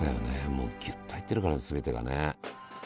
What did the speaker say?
もうギュッと入ってるから全てがね。